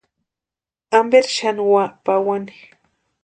Amperi xani úa pawani.